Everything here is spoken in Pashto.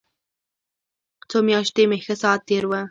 څو مياشتې مې ښه ساعت تېر و.